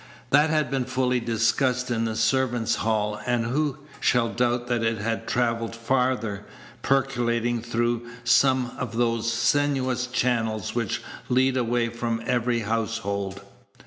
That had been fully discussed in the servants' hall; and who shall doubt that it had travelled farther, percolating through some of those sinuous channels which lead away from every household?